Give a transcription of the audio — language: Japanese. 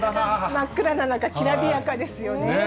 真っ暗な中、きらびやかですよね。